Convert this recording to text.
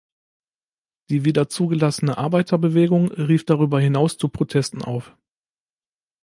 Die wieder zugelassene Arbeiterbewegung rief darüber hinaus zu Protesten auf.